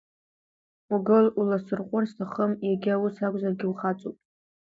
Угыл, уласырҟәыр сҭахым, иагьа ус акәзаргьы, ухаҵоуп.